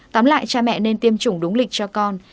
tóm lại cha mẹ nên tiêm chủng đúng lịch cho con